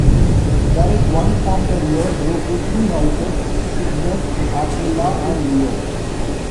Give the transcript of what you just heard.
There is one form per year group with three houses: Cygnus, Aquilla and Leo.